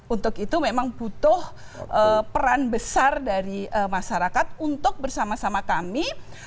untuk itu memang butuh peran besar dari masyarakat untuk bersama sama kami